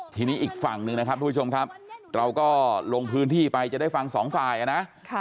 ทีนี้อีกฝั่งหนึ่งนะครับทุกผู้ชมครับเราก็ลงพื้นที่ไปจะได้ฟังสองฝ่ายนะ